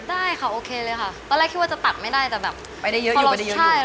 แล้วก็ขอให้เบอร์๔เป็นของที่น้องเนยอยากได้นะครับเพียง